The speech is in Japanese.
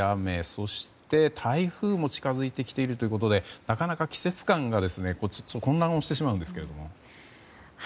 そして、台風も近づいてきているということでなかなか季節感が混乱をしてしまうんですけど。